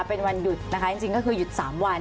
เป็นวันหยุดนะคะจริงก็คือหยุด๓วัน